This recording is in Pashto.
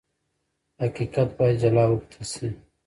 حقیقت باید جلا وکتل شي.